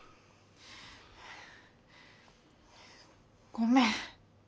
ごめん。